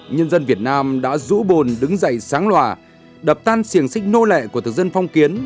nhân dân việt nam đã dũ bồn đứng dậy sáng lòa đập tan siềng sích nô lệ của thực dân phong kiến